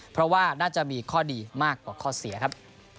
เพราะว่าน่าจะมีข้อดีมากกว่าข้อเสียครับ